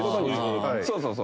そうそうそう。